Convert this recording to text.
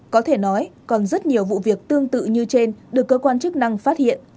có thể nói còn rất nhiều vụ việc tương tự như trên được cơ quan chức năng phát hiện